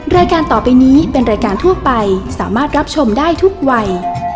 รายการต่อไปนี้เป็นรายการทั่วไปสามารถรับชมได้ทุกวัย